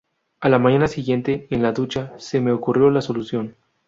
A la mañana siguiente, en la ducha, se me ocurrió la solución.